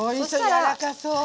柔らかそう！